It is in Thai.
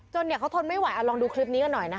เนี่ยเขาทนไม่ไหวเอาลองดูคลิปนี้กันหน่อยนะคะ